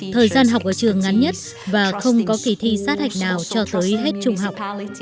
thời gian học ở trường ngắn nhất và không có kỳ thi sát hạch nào cho tới hết trung học